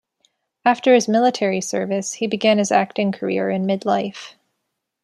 After his military service, he began his acting career in mid-life.